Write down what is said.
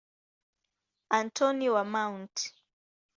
Antoni wa Mt.